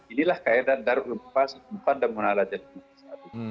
inilah kaedah darul bukhari sumpah dan munalah jadul masjid